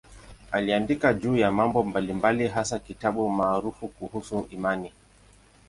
Aliandika juu ya mambo mbalimbali, hasa kitabu maarufu kuhusu imani.